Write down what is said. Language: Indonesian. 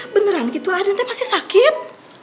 beneran gitu aden teh masih sakit